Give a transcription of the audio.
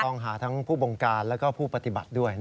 ต้องหาทั้งผู้บงการและผู้ปฏิบัติด้วย